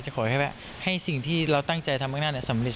จะขอให้แวะให้สิ่งที่เราตั้งใจทำตรงนั้นสำเร็จ